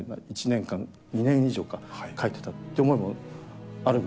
１年間２年以上か書いてたという思いもあるぐらいだし